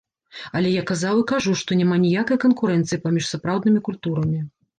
Але я казаў і кажу, што няма ніякай канкурэнцыі паміж сапраўднымі культурамі.